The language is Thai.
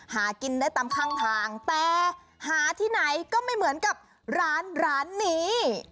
หากินได้ตามข้างทางแต่หาที่ไหนก็ไม่เหมือนกับร้านร้านนี้